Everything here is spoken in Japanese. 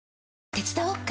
手伝おっか？